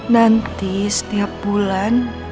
nanti setiap bulan